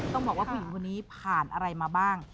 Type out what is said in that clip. ต้องบอกว่าผู้หญิงคนนี้ผ่านอะไรมาบ้าง